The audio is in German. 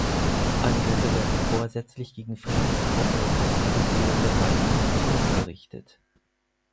Angriffe werden vorsätzlich gegen Friedenstruppen und Institutionen der Vereinten Nationen gerichtet.